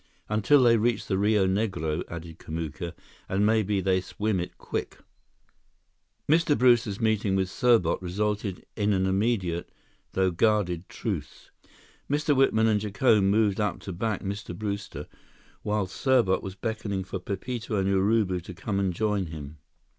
"Until they reach the Rio Negro," added Kamuka, "and maybe they swim it quick." Mr. Brewster's meeting with Serbot resulted in an immediate, though guarded truce. Mr. Whitman and Jacome moved up to back Mr. Brewster, while Serbot was beckoning for Pepito and Urubu to come and join him.